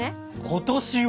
今年は？